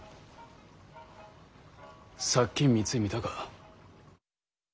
さっきん三井見たか？